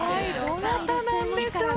どなたなんでしょうか？